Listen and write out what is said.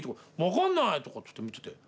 「分かんない」とかって見てて。